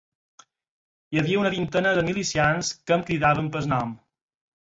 Hi havia una vintena de milicians que em cridaven pel nom